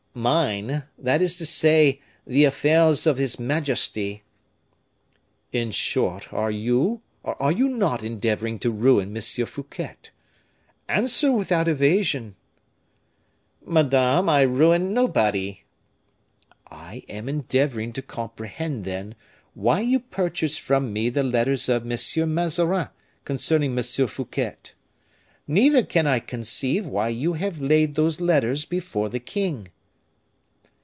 "Mine! that is to say, the affairs of his majesty." "In short, are you, or are you not endeavoring to ruin M. Fouquet? Answer without evasion." "Madame, I ruin nobody." "I am endeavoring to comprehend, then, why you purchased from me the letters of M. Mazarin concerning M. Fouquet. Neither can I conceive why you have laid those letters before the king."